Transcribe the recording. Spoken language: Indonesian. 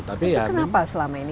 tapi kenapa selama ini